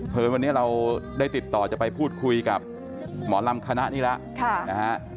เผยวันนี้เราได้ติดต่อจะไปปู๊ดคุยกับหมอรำคณะนี่แล้ว